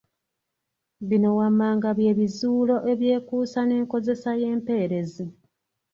Bino wammanga bye bizuulo ebyekuusa n’enkozesa y’empeerezi.